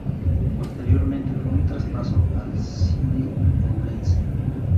Posteriormente fue traspasado al C. D. Ourense.